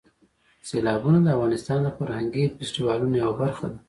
سیلابونه د افغانستان د فرهنګي فستیوالونو یوه برخه ده.